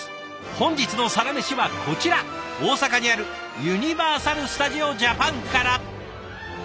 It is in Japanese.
本日の「サラメシ」はこちら大阪にあるユニバーサル・スタジオ・ジャパンから！